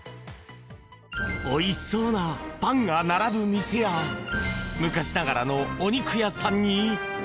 おいしそうなパンが並ぶ店や昔ながらのお肉屋さんに。